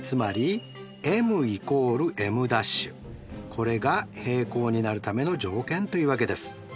これが平行になるための条件というわけです。